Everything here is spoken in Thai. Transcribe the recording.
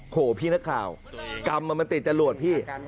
โหพี่นักข่าวกรรมมันติดจรวดพี่